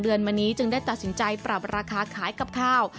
เดือนมานี้จึงได้ตัดสินใจปรับราคาขายกับข้าว